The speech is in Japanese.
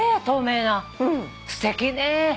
透明なすてきね。